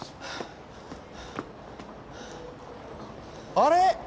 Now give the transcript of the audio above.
あれ？